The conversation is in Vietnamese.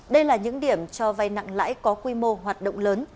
đây là những điểm cho vay nặng lãi có quy mô hoạt động lớn